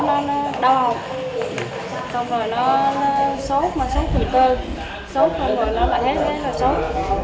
nó đau xong rồi nó sốt mà sốt khủy cơ sốt rồi nó lại hết thế là sốt